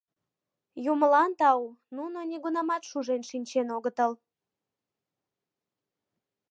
Юмылан тау, нуно нигунамат шужен шинчен огытыл.